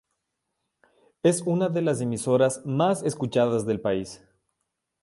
Es una de las emisoras más escuchadas del país.